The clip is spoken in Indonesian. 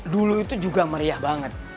dulu itu juga meriah banget